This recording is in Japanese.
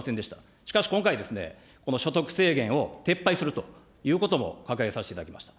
しかし今回、所得制限を撤廃するということも掲げさせていただきました。